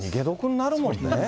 なるもん。